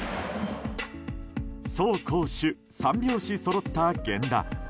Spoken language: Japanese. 走攻守３拍子そろった源田。